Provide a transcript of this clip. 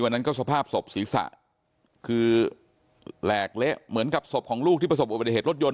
นั้นก็สภาพศพศีรษะคือแหลกเละเหมือนกับศพของลูกที่ประสบอุบัติเหตุรถยน